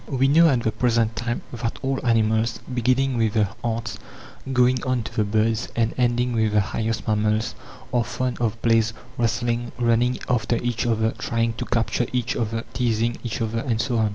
(25) We know at the present time that all animals, beginning with the ants, going on to the birds, and ending with the highest mammals, are fond of plays, wrestling, running after each other, trying to capture each other, teasing each other, and so on.